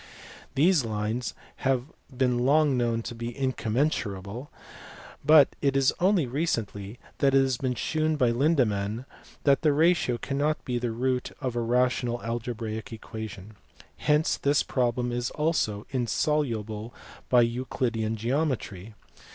These lines have been long known to be incommensurable, but it is only recently that it has been shewn by Lindemann that their ratio cannot be the root of a rational algebraical equation. Hence this problem also is insoluble by Euclidean geometry.